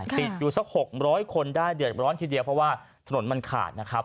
ติดอยู่สัก๖๐๐คนได้เดือดร้อนทีเดียวเพราะว่าถนนมันขาดนะครับ